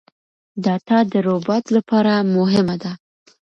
ډاټا د روباټ لپاره مهمه ده.